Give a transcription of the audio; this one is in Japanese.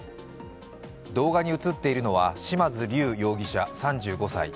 動画に映っているのは嶋津龍容疑者、３５歳。